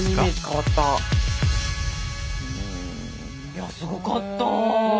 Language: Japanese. いやすごかったわ。